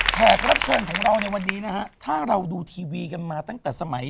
แขกรับเชิญของเราในวันนี้นะฮะถ้าเราดูทีวีกันมาตั้งแต่สมัย